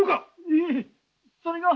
へえそれが。